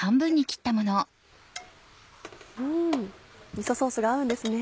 みそソースが合うんですね。